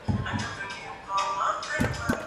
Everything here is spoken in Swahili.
Kuna daraja la Mikoko sehemu ya wanyama pamoja na msitu